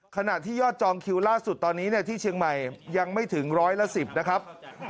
ขณะที่ยอดจองคิวล่าสุดตอนนี้ที่เชียงใหม่ยังไม่ถึงร้อยละ๑๐นะครับ